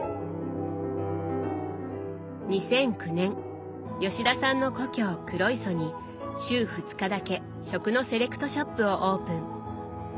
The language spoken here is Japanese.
２００９年吉田さんの故郷黒磯に週２日だけ食のセレクトショップをオープン。